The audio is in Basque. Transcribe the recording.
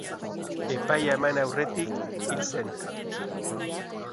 Epaia eman aurretik hil zen.